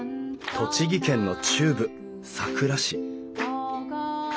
栃木県の中部さくら市